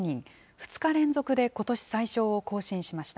２日連続でことし最少を更新しました。